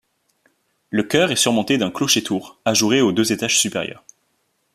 Le chœur est surmonté d'un clocher-tour ajouré aux deux étages supérieurs.